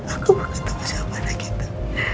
aku mau ketemu sahabatnya kita